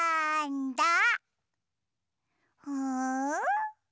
うん？